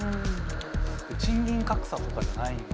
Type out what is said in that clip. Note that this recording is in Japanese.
賃金格差とかじゃないんだ。